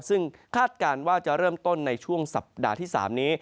ซึ่งคาดการณ์ว่าจะเริ่มต้นในช่วงสัปดาห์ที่๓นี้